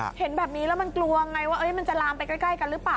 เห็นแบบนี้แล้วมันกลัวไงว่ามันจะลามไปใกล้กันหรือเปล่า